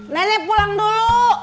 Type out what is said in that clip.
nenek pulang dulu